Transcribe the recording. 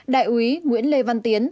đại úy nguyễn lê văn tiến